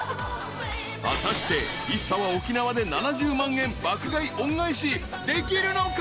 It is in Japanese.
［果たしてＩＳＳＡは沖縄で７０万円爆買い恩返しできるのか？］